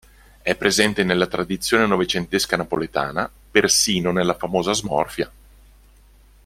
È presente nella tradizione novecentesca napoletana, persino nella famosa smorfia.